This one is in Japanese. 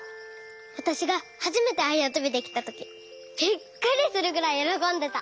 わたしがはじめてあやとびできたときびっくりするぐらいよろこんでた。